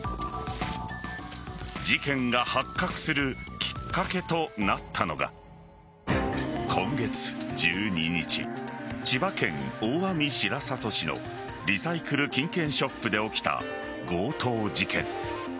事件が発覚するきっかけとなったのが今月１２日、千葉県大網白里市のリサイクル金券ショップで起きた強盗事件。